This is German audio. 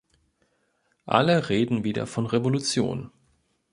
Alle reden wieder von Revolution.